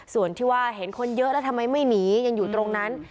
ส่วนที่ว่าเห็นคนเยอะแล้วทำไมไม่หนียังอยู่ตรงนั้น